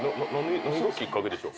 何がきっかけでしょう？